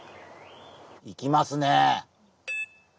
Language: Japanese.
いきますね！